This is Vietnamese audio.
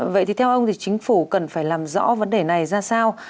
vậy thì theo ông thì chính phủ cần phải làm rõ vấn đề này ra sao